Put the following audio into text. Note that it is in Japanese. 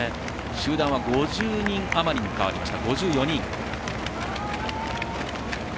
集団は５４人に変わりました。